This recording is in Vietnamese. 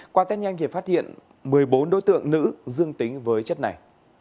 qua tết nhanh thì phát hiện một mươi bốn đối tượng nữ dương tính với chất này